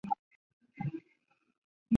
而海滩德军兵力为一个团。